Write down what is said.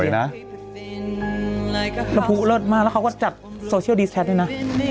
มะพุเลิศมากแล้วเขาก็จัดโซเชียลดีสแท็ดด้วยนะ